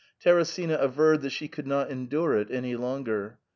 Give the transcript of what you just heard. Teresina averred that she could not endure it any longer.